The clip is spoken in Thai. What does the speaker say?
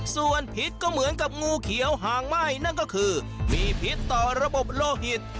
ส่วนพิษก็เหมือนกับงูเขียวหางไหม้นั่นก็คือมีพิษต่อระบบโลหิต